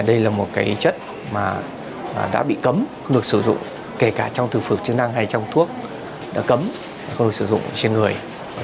đây là một chất chứa chứa chứa chứa chứa chứa chứa chứa chứa chứa chứa chứa chứa chứa chứa chứa chứa chứa chứa chứa chứa chứa chứa chứa chứa